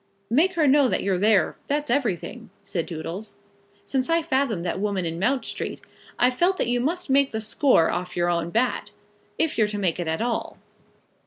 "Make her know that you're there; that's everything," said Doodles. "Since I fathomed that woman in Mount Street, I've felt that you must make the score off your own bat, if you're to make it at all."